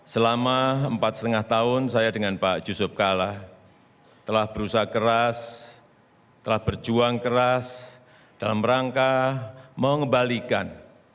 selama empat lima tahun saya dengan pak yusuf kalla telah berusaha keras telah berjuang keras dalam rangka mengembalikan